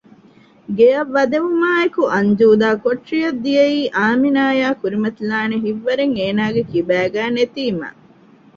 ގެއަށް ވަދެވުމާއެކު އަންޖޫދާ ކޮޓަރިއަށް ދިއައީ އާމިނާއާ ކުރިމަތިލާނެ ހިތްވަރެއް އޭނާގެ ކިބައިގައި ނެތީމަ